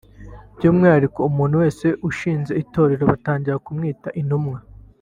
by’umwihariko umuntu wese ushinze itorero batangira kumwita Intumwa